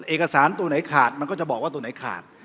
เอกสารตัวไหนขาดมันก็จะบอกว่าตัวไหนขาด